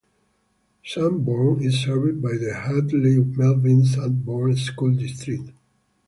Sanborn is served by the Hartley-Melvin-Sanborn School District.